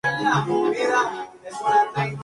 No se conoce descendencia de este matrimonio.